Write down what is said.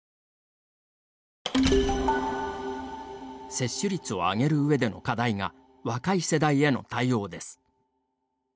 接種率を上げる上での課題が若い世代への対応です。